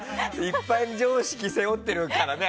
一般常識背負っているからね。